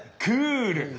クール！